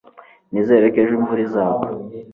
nizere ko ejo imvura izagwa